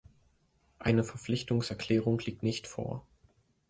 Eine Verpflichtungserklärung liegt nicht vor.